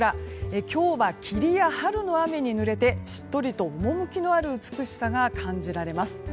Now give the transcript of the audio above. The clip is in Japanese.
今日は霧や、春の雨にぬれてしっとりと趣のある美しさが感じられます。